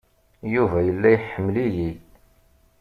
Yuba yella iḥemmel-iyi.